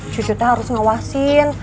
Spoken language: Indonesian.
cucu tuh harus ngawasin